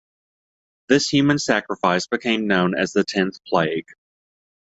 This human sacrifice became known as the tenth plague.